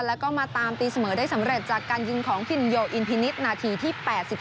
แล้วก็มาตามตีเสมอได้สำเร็จจากการยิงของพินโยอินพินิษฐ์นาทีที่๘๒